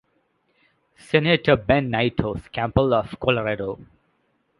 Senator Ben Nighthorse Campbell of Colorado.